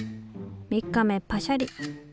３日目パシャリ。